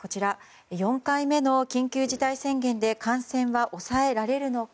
４回目の緊急事態宣言で感染は抑えられるのか。